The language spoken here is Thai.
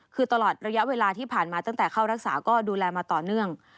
คือตลอดระยะเวลาที่ผ่านมาตั้งแต่เข้ารักษาก็ดูแลมาต่อเนื่อง